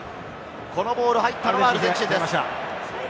このボール、入ったのはアルゼンチンです。